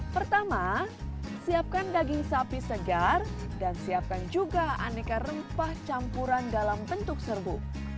pertama siapkan daging sapi segar dan siapkan juga aneka rempah campuran dalam bentuk serbu